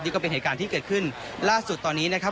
นี่ก็เป็นเหตุการณ์ที่เกิดขึ้นล่าสุดตอนนี้นะครับ